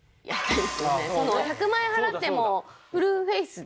１００万円払ってもフルフェイスで。